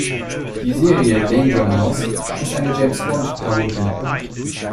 Die Serie Danger Mouse ist eine James-Bond-Parodie.